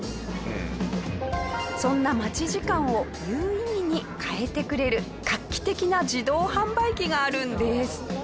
そんな待ち時間を有意義に変えてくれる画期的な自動販売機があるんです。